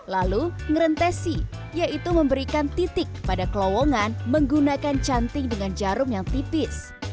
lalu gerentesi yaitu memberikan titik pada kelowongan tidak menggunakan gadis dengan jarum yang tipis